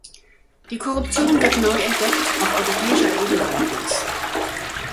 Die Korruption wird neu entdeckt, auf europäischer Ebene allerdings.